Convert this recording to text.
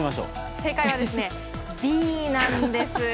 正解はＢなんです。